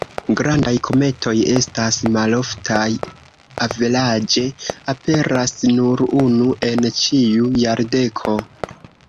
Grandaj kometoj estas maloftaj, averaĝe aperas nur unu en ĉiu jardeko.